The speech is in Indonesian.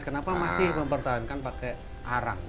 kenapa masih mempertahankan pakai arang